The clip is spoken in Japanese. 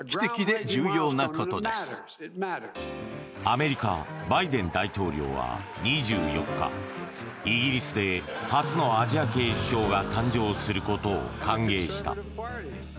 アメリカ、バイデン大統領は２４日イギリスで初のアジア系首相が誕生することを歓迎した。